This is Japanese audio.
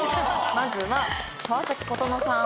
まずは川崎琴之さん。